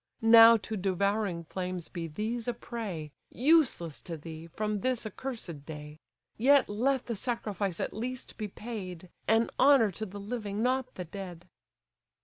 Now to devouring flames be these a prey, Useless to thee, from this accursed day! Yet let the sacrifice at least be paid, An honour to the living, not the dead!"